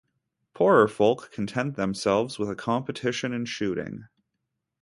Poorer folk content themselves with a competition in shooting.